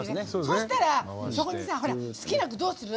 そしたら、そこにさ好きな具、どうする？